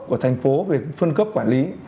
bốn mươi một của thành phố về phân cấp quản lý